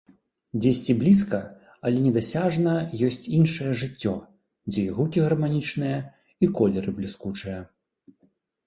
Дзесьці блізка, але недасяжна ёсць іншае жыццё, дзе і гукі гарманічныя, і колеры бліскучыя.